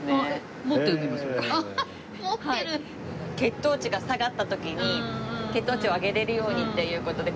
血糖値が下がった時に血糖値を上げれるようにっていう事で。